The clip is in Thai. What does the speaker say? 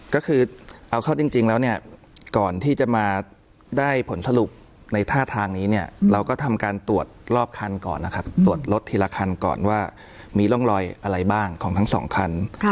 ก็คือเอาเข้าจริงแล้วเนี่ยก่อนที่จะมาได้ผลสรุปในท่าทางนี้เนี่ยเราก็ทำการตรวจรอบคันก่อนนะครับตรวจรถทีละคันก่อนว่ามีร่องรอยอะไรบ้างของทั้งสองคัน